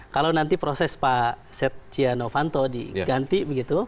kalau nanti proses pak setia novanto diganti begitu